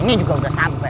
ini juga udah sampe